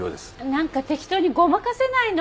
なんか適当にごまかせないの？